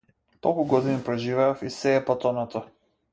Толку години проживеав, и сѐ е потонато.